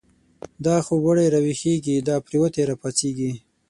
دا خوب و ړی را ویښیږی، دا پریوتی را پاڅیږی